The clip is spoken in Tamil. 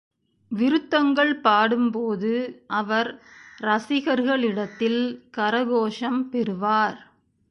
விருத்தங்கள் பாடும்போது அவர் ரசிகர்களிடத்தில் கரகோஷம் பெறுவார்.